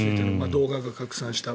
動画が拡散した。